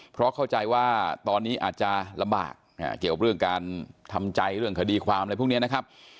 เพราะเข้าใจว่าตอนนี้อาจจะลำบากเกี่ยวกับเรื่องการทำใจเรื่องคดีความอะไรพวกนี้นะครับ